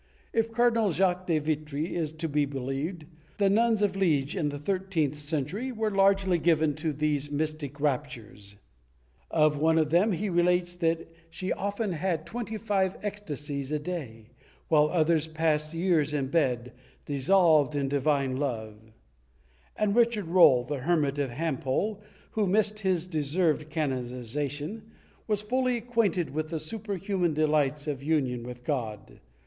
If Cardinal Jacques de Vitry is to be believed, the nuns of Liege, in the thir teenth century, were largely given to these mystic raptures; of one of them he relates that she often had twenty five ecstasies a day, while others passed years in bed, dissolved in divine love;^ and Richard Rolle, the Hermit of Hampole, who missed his deserved canonization, was fully acquainted with the superhuman delights of union with God.'